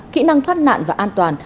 kỹ năng thoát nạn và an toàn